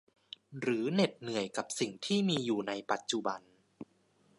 หรือเหน็ดเหนื่อยกับสิ่งที่มีอยู่ในปัจจุบัน